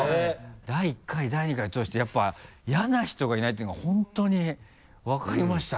第１回第２回通してやっぱ嫌な人がいないっていうのが本当に分かりましたね。